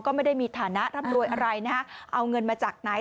ก็ไม่ได้มีฐานะร่ำรวยอะไรนะฮะเอาเงินมาจากไหน